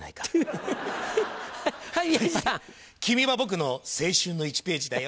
君は僕の青春の１ページだよ。